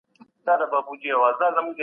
صداقت د بريا لومړی ګام دی.